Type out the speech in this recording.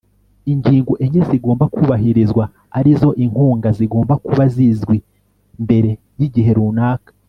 ingingo enye zigomba kubahirizwa arizo inkunga zigomba kuba zizwi mbere y'igihe runaka